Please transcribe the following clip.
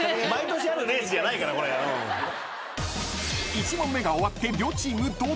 ［１問目が終わって両チーム同点］